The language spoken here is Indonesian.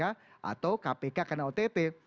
atau kpk karena ott